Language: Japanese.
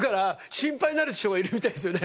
心配になる人がいるみたいなんですよね。